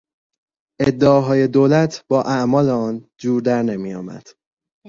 ادعاهای دولت با اعمال آن جور در نمیآمد.